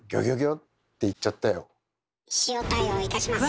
塩対応いたしません。